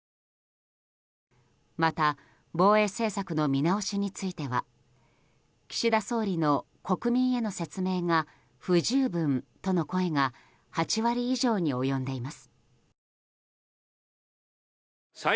また防衛政策の見直しについては岸田総理の国民への説明が不十分との声が８割以上に及んでいます。